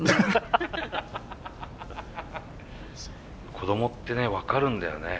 子供ってね分かるんだよね。